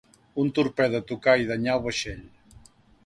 Un torpede tocà i danyà el vaixell.